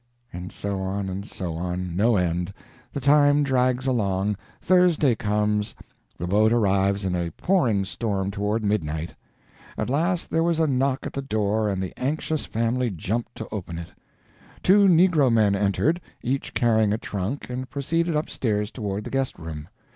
[And so on and so on, no end. The time drags along; Thursday comes: the boat arrives in a pouring storm toward midnight.] At last there was a knock at the door and the anxious family jumped to open it. Two negro men entered, each carrying a trunk, and proceeded upstairs toward the guest room.